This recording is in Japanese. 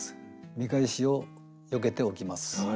見返しをよけておきます。